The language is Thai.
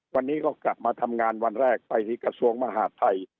วันนี้ก็กลับมาทำงานวันแรกไปที่กระทรวงมหาดไทย